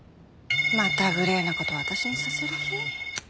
またグレーな事私にさせる気？